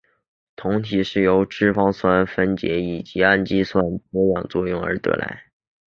酮体是由脂肪酸分解以及氨基酸脱氨作用而得来。